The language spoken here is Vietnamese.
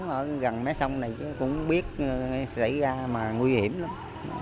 cứ gần mấy sông này cũng biết xảy ra mà nguy hiểm lắm